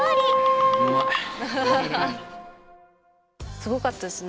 すごかったですね。